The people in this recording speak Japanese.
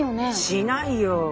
しないよ。